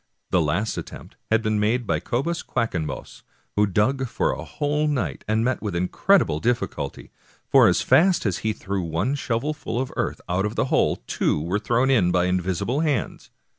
The last attempt had been made by Cobus Quackenbos, who dug for a whole night, and met with incredible dilBculty, for as fast as he threw one shovelful of earth out of the hole, two were thrown in by invisible hands.